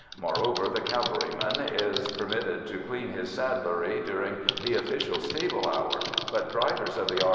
Moreover, the cavalryman is permitted to clean his saddlery during the official stable hour, but drivers of the R.